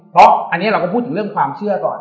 เพราะอันนี้เราก็พูดถึงเรื่องความเชื่อก่อน